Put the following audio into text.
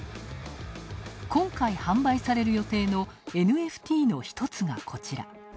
今回、販売される予定のＮＦＴの一つがこちら。